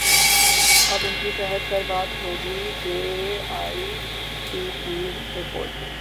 اب ان کی صحت پر بات ہوگی جے آئی ٹی کی رپورٹ